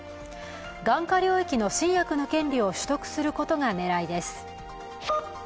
眼科領域の新薬の権利を取得することが狙いです。